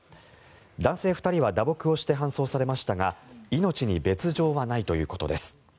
男性２人は打撲をして搬送されましたが命に別条はないということです。